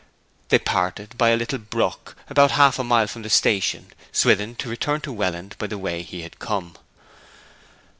They parted by a little brook, about half a mile from the station; Swithin to return to Welland by the way he had come.